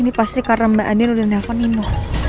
ini pasti karena mbak adi yang udah nelfon nino